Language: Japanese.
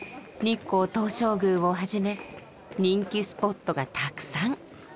日光東照宮をはじめ人気スポットがたくさん。